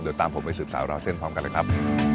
เดี๋ยวตามผมไปสืบสาวราวเส้นพร้อมกันเลยครับ